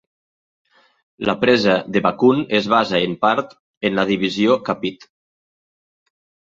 La presa de Bakun es basa, en part, en la divisió Kapit.